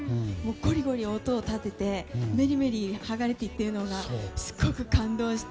ゴリゴリ音を立ててメリメリはがれていってるのがすごく感動して。